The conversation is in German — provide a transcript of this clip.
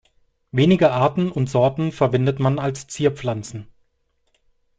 Wenige Arten und Sorten verwendet man als Zierpflanzen.